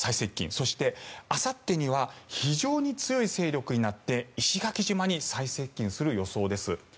そして、あさってには非常に強い勢力になって石垣島に最接近する予想です。